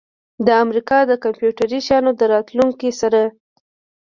د امریکا د کمپیوټري شیانو د راتلونکي سره